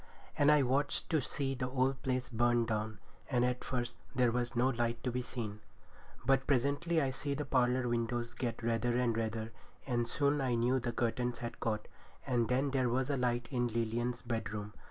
And I watched to see the old place burn down; and at first there was no light to be seen. But presently I see the parlour windows get redder and redder, and soon I knew the curtains had caught, and then there was a light in Lilian's bedroom.